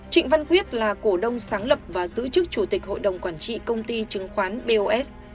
trịnh văn quyết là cổ đông sáng lập và giữ chức chủ tịch hội đồng quản trị công ty chứng khoán bos